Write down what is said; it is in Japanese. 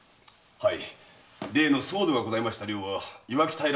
はい。